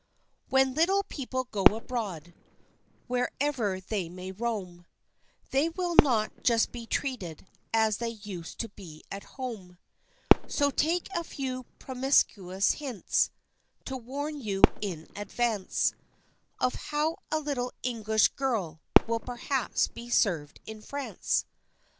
] When little people go abroad, wherever they may roam, They will not just be treated as they used to be at home; So take a few promiscuous hints, to warn you in advance, Of how a little English girl will perhaps be served in France.